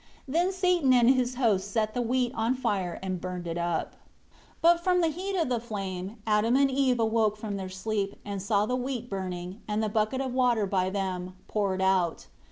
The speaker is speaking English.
5 Then Satan and his hosts set the wheat on fire and burned it up. 6 But from the heat of the flame Adam and Eve awoke from their sleep, and saw the wheat burning, and the bucket of water by them, poured out.